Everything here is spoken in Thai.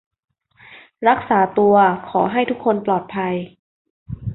รักษาตัว ขอให้ทุกคนปลอดภัย